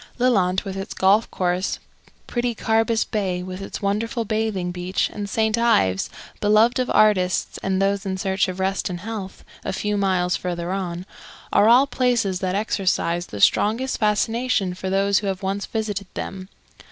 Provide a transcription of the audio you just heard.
Lelant with its golf course, pretty Carbis Bay with its wonderful bathing beach, and St. Ives, beloved of artists and those in search of rest and health, a few miles further on, are all places that exercise the strongest fascination for those who have once visited them.